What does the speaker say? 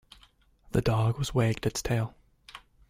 The dog was wagged its tail.